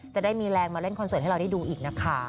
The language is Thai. จะได้มีแรงมาเล่นคอนเสิร์ตให้เราได้ดูอีกนะคะ